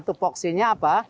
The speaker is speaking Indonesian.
tupu vaksinnya apa